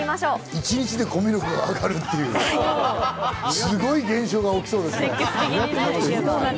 一日でコミュ力が上がるという、すごい現象が起きそうですね。